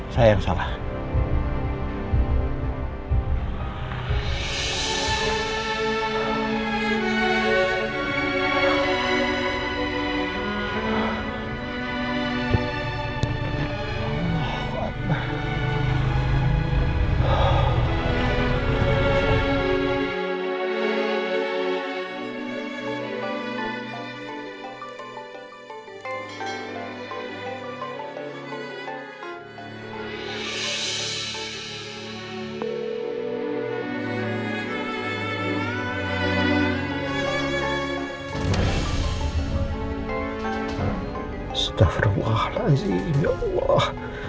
saya yang salah